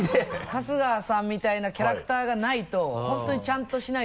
春日さんみたいなキャラクターがないと本当にちゃんとしないと。